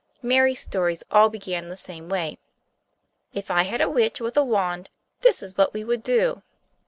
Mary's stories all began the same way: "If I had a witch with a wand, this is what we would do."